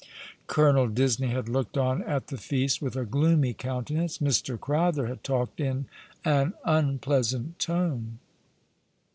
Colonel Disney had looked on at the feast with a gloomy countenance ; Mr. Crowther had talked in an unpleasant tone.